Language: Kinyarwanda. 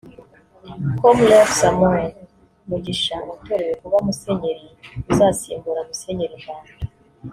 com Rev Samuel Mugisha watorewe kuba Musenyeri uzasimbura Musenyeri Mbanda